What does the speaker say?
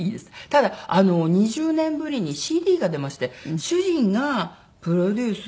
ただ２０年ぶりにＣＤが出まして主人がプロデュース